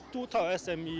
dari sisi sme